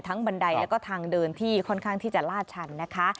บันไดแล้วก็ทางเดินที่ค่อนข้างที่จะลาดชันนะคะ